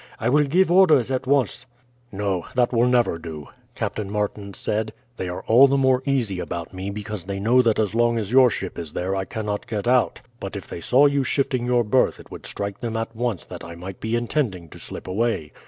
"I will give orders at once." "No, that will never do," Captain Martin said. "They are all the more easy about me because they know that as long as your ship is there I cannot get out, but if they saw you shifting your berth it would strike them at once that I might be intending to slip away.